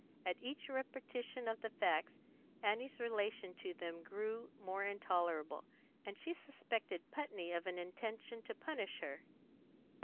At each repetition of the facts, Annie's relation to them grew more intolerable; and she suspected Putney of an intention to punish her.